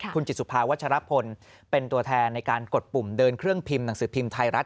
คุณจิตสุภาวัชรพลเป็นตัวแทนในการกดปุ่มเดินเครื่องพิมพ์หนังสือพิมพ์ไทยรัฐ